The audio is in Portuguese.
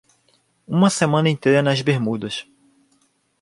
Uma semana inteira nas Bermudas.